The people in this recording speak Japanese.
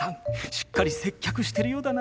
しっかり接客してるようだな。